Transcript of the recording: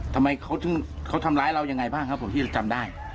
ทำไมเขาถึงเขาทำร้ายเรายังไงบ้างครับผมที่เราจำได้